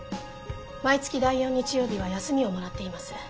毎月第４日曜日は休みをもらっています。